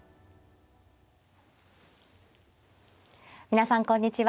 皆さんこんにちは。